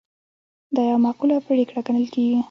دا یوه معقوله پرېکړه ګڼل کیږي.